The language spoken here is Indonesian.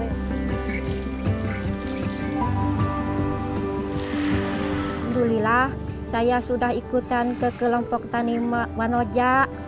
alhamdulillah saya sudah ikutan ke kelompok tani wanoja